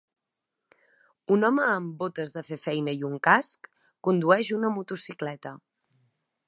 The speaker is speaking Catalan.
Un home amb botes de fer feina i un casc condueix una motocicleta.